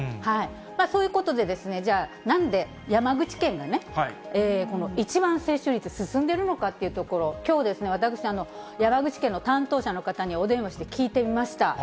そういうことで、じゃあなんで山口県がね、一番接種率、進んでいるのかというところ、きょう、私、山口県の担当者の方にお電話して聞いてみました。